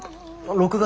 ６月。